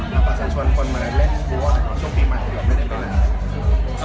แล้วประสาทชวนคนเมื่อไรเล่นทัวร์ช่วงปีใหม่ก็ไม่ได้เป็นอะไร